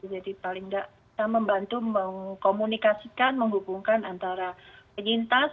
jadi paling tidak kita membantu mengkomunikasikan menghubungkan antara penyintas